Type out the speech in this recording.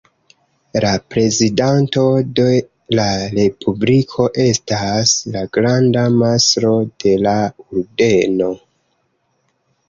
La prezidanto de la Respubliko estas la granda mastro de la Ordeno.